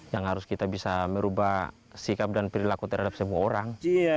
yang harus kita bisa merubah sikap dan perilaku terhadap semua orang